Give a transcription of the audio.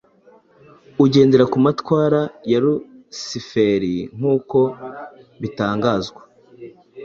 ugendera ku matwara ya lusiferi nkuko bitangazwa